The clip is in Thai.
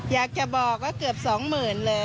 อยากจะบอกว่าเกือบสองหมื่นเลย